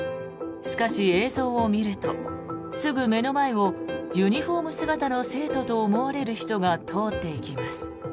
しかし、映像を見るとすぐ目の前をユニホーム姿の生徒と思われる人が通っていきます。